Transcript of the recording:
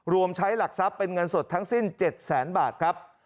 รวมใช้หลักทรัพย์เป็นเงินสดทั้งสิ้น๗แสนบาทครับ